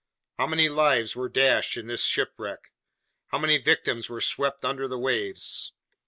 How many lives were dashed in this shipwreck! How many victims were swept under the waves!